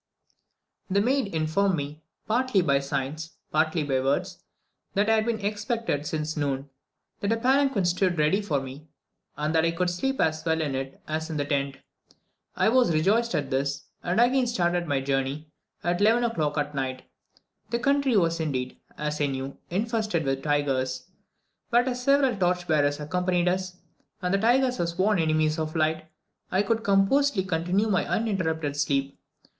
The maid informed me, partly by signs, partly by words, that I had been expected since noon; that a palanquin stood ready for me, and that I could sleep as well in it as in the tent. I was rejoiced at this, and again started on my journey at 11 o'clock at night. The country was indeed, as I knew, infested with tigers, but as several torch bearers accompanied us, and the tigers are sworn enemies of light, I could composedly continue my uninterrupted sleep.